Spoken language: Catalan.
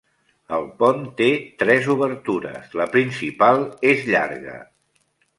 El pont té tres obertures. La principal és llarga.